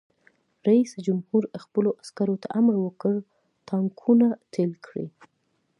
رئیس جمهور خپلو عسکرو ته امر وکړ؛ ټانکونه تېل کړئ!